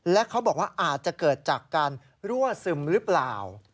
และเขาบอกว่าอาจจะเกิดจากการรั่วซึมหรือเปล่า